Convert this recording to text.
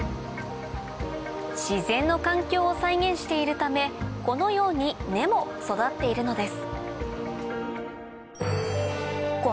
自然の環境を再現しているためこのように根も育っているのです